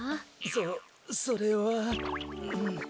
そそれは。